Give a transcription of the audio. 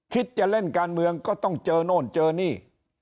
คิดจะเล่นการเมืองก็ต้องเจอโน่นเจอนี่